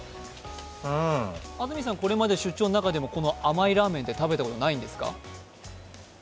安住さん、これまで出張の中で、この甘いラーメンって食べたことないんですか？